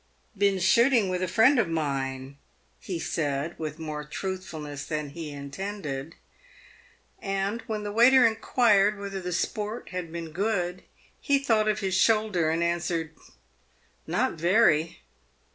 " Been shooting with a friend of mine," he said, with more truthfulness than he intended; and, when the waiter inquired whether the sport had been good, he thought of his shoulder, and answered, " Not very."